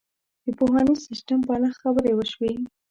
د پوهنیز سیستم په اړه خبرې وشوې.